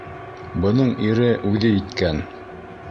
Бының ире үҙе еткән.